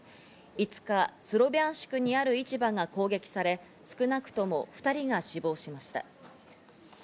５日、スロビャンシクにある市場が攻撃され、少なくとも２人が死亡しました。